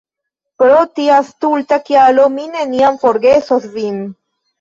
Pro tia stulta kialo mi neniam forgesos vin!